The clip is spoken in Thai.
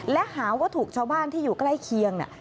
และหาว่าถูกชาวบ้านที่อยู่ใกล้เคียง